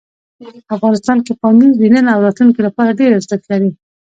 افغانستان کې پامیر د نن او راتلونکي لپاره ارزښت لري.